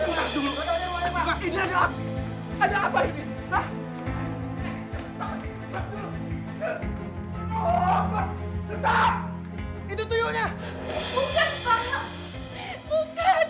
geledah aja rumahnya pak